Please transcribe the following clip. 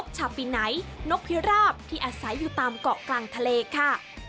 ชาปีไหนนกพิราบที่อาศัยอยู่ตามเกาะกลางทะเลค่ะ